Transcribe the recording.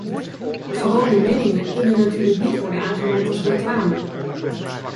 Gewone meningen kunnen natuurlijk niet worden aangemerkt als reclame.